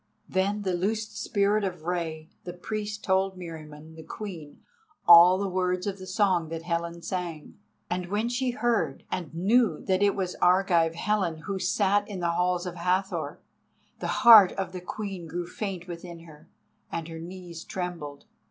Then the loosed Spirit of Rei the Priest told Meriamun the Queen all the words of the song that Helen sang. And when she heard and knew that it was Argive Helen who sat in the halls of Hathor, the heart of the Queen grew faint within her, and her knees trembled.